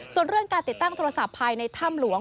ส่วนเรื่องการติดตั้งโทรศัพท์ภายในถ้ำหลวง